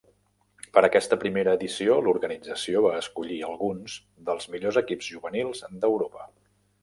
Per aquesta primera edició l'organització va escollir alguns dels millors equips juvenils d'Europa.